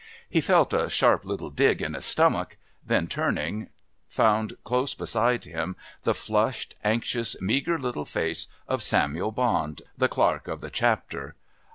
He felt a sharp little dig in his stomach, then, turning, found close beside him the flushed anxious, meagre little face of Samuel Bond, the Clerk of the Chapter.